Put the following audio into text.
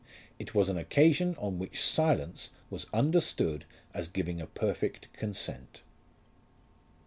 It was an occasion on which silence was understood as giving a perfect consent.